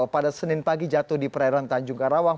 pada senin pagi jatuh di perairan tanjung karawang